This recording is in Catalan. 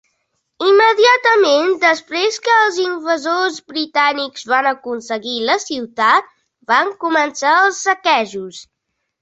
Immediatament després que els invasors britànics van aconseguir la ciutat, van començar els saquejos.